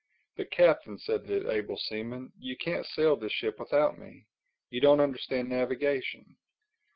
"But Captain," said the able seaman, "you can't sail this ship without me. You don't understand navigation.